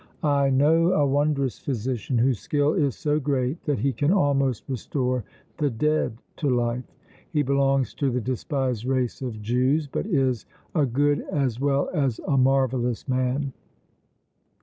I know a wondrous physician whose skill is so great that he can almost restore the dead to life. He belongs to the despised race of Jews, but is a good as well as a marvellous man.